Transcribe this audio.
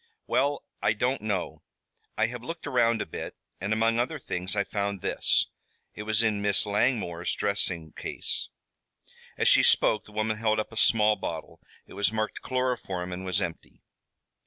"Well, I don't know. I have looked around a bit, and among other things I found this. It was in Miss Langmore's dressing case." As she spoke the woman held up a small bottle. It was marked chloroform and was empty.